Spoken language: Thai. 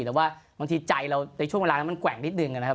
แต่ว่าบางทีใจในช่วงแตะนั้นมันด้วยแปลลิดนิดนึง